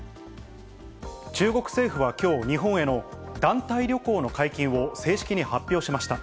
中国政府はきょう、日本への団体旅行の解禁を正式に発表しました。